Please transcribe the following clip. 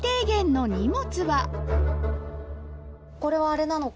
これはあれなのか。